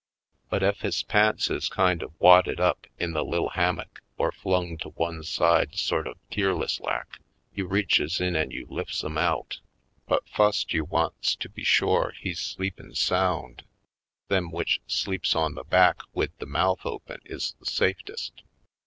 But ef his pants is kind of wadded up in the lil' ham mock or flung to one side sort of keerless lak, you reaches in an' you lifts 'em out. But fust you wants to be shore he's sleepin' sound. Them w'ich sleeps on the back wid the mouth open is the safetest."